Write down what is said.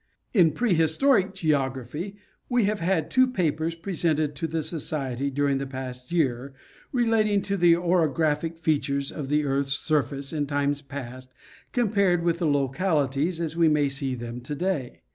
In pre historic geography we have had two papers presented to the Society during the past year, relating to the orographiec features of the earth's surface in times past compared with the localities as we may see them to day.